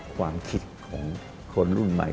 ความคิดของคนรุ่นใหม่